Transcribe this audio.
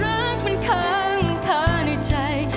รักมันค้างมันค้าในใจ